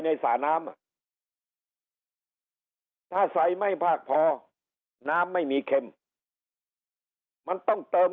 สระน้ำอ่ะถ้าใส่ไม่มากพอน้ำไม่มีเข็มมันต้องเติม